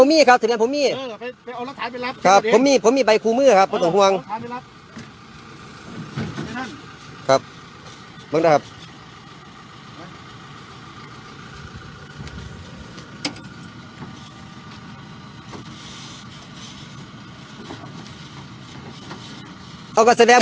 อีกแล้วครับไม่ได้ครับพี่น้อง